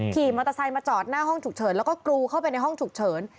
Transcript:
ขี่มอเตอร์ไซค์มาจอดหน้าห้องฉุกเฉินแล้วก็กรูเข้าไปในห้องฉุกเฉิน